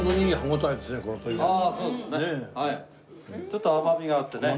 ちょっと甘みがあってね。